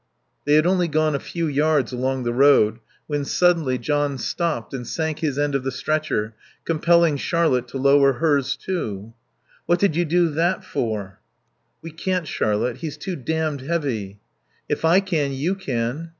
They had only gone a few yards along the road when suddenly John stopped and sank his end of the stretcher, compelling Charlotte to lower hers too. "What did you do that for?" "We can't, Charlotte. He's too damned heavy." "If I can, you can."